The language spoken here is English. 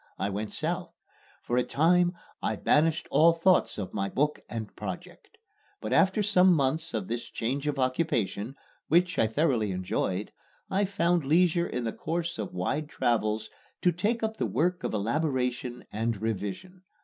I went South. For a time I banished all thoughts of my book and project. But after some months of this change of occupation, which I thoroughly enjoyed, I found leisure in the course of wide travels to take up the work of elaboration and revision.